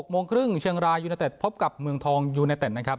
โมงครึ่งเชียงรายยูเนเต็ดพบกับเมืองทองยูเนเต็ดนะครับ